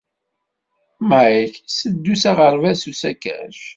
Mike itteddu s aɣerbaz s usakac.